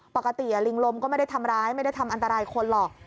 ปกติลิงลมก็ไม่ได้ทำร้ายไม่ได้ทำอันตรายคนหรอก